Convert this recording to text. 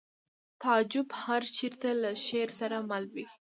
تعجب اوس هر چېرته له شعر سره مل وي